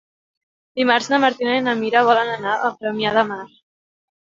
Dimarts na Martina i na Mira volen anar a Premià de Mar.